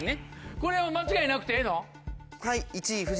これは間違いなくてええの？